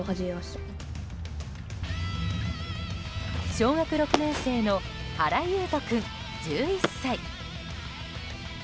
小学６年生の原悠翔君、１１歳。